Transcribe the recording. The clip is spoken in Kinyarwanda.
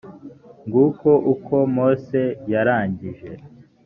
nguko uko mose yarangije